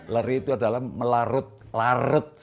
lari itu adalah melarut larut